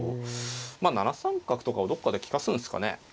７三角とかをどっかで利かすんすかね。